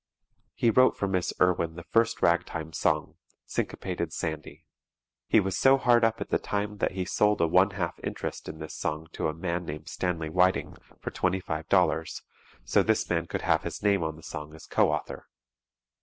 He wrote for Miss Irwin the first ragtime song, "Syncopated Sandy." He was so hard up at the time that he sold a one half interest in this song to a man named Stanley Whiting for $25.00, so this man could have his name on the song as co author.